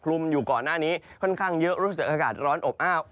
ปลูมอยู่คร่อนหน้านี้เพิ่งเยอะศักดิ์อากาศร้อนอบอ้าว